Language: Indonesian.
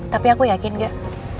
tapi aku yakin gak